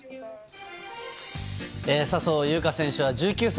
笹生優花選手は１９歳。